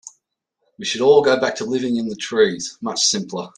We should all go back to living in the trees, much simpler.